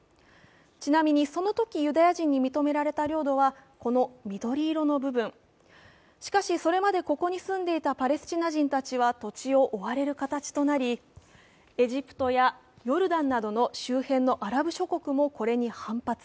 ちなみにそのときユダヤ人に認められたのはこの緑色の部分、しかしそれまでここに住んでいたパレスチナ人たちは土地を追われる形となりエジプトやヨルダンなどの周辺のアラブ諸国もこれに反発。